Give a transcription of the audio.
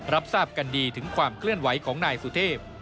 รับทราบกันดีถึงความเคลื่อนไหวของนายสุเทพ